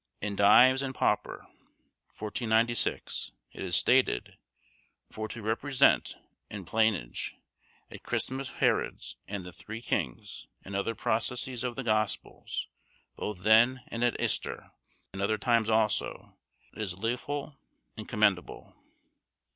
In 'Dives and Pauper,' 1496, it is stated, "For to represente in playnge at Crystmasse Herodes and the Thre Kynges and other processes of the gospelles both than and at Ester, and other times also, it is lefull and com̄endable."